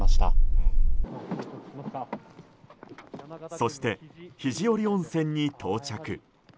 そして肘折温泉に到着。